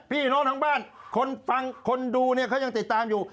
พี่น้องทั้งบ้านคนฟังคนดูเนี่ยเขายังติดตามอยู่